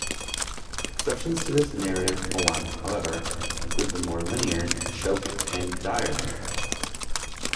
Exceptions to this narrative form, however, include the more linear "Choke" and "Diary".